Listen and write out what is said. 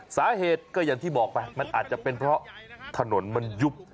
สาเหตุก็อย่างที่บอกไปมันอาจจะเป็นเพราะถนนมันยุบ